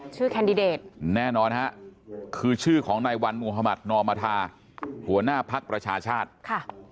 ชื่อแคนดิเดตแน่นอนฮะคือชื่อของนายวันมุหมาศนมหัวหน้าพักประชาชาติค่ะ